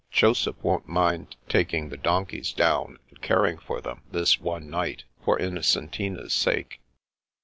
Joseph won't mind taking the donkeys down and caring for them this one night, for Innocentina's sake."